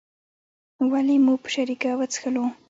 ولې مو په شریکه وڅښلو.